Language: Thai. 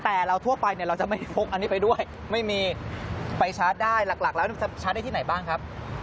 แต่เราทั่วไปเนี่ยเราจะไม่พกอันนี้ไปด้วยไม่มีไปชาร์จได้หลักแล้วจะชาร์จได้ที่ไหนบ้างครับ